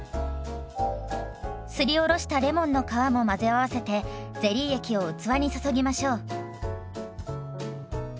すりおろしたレモンの皮も混ぜ合わせてゼリー液を器に注ぎましょう。